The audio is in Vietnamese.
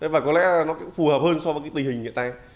và có lẽ nó cũng phù hợp hơn so với tình hình hiện tại